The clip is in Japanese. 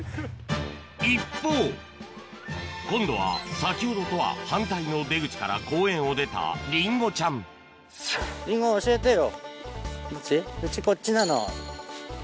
一方今度は先ほどとは反対の出口から公園を出たリンゴちゃんウチこっちなの？